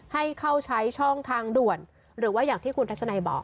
ให้เข้าใช้ช่องทางด่วนหรือว่าอย่างที่คุณทัศนัยบอก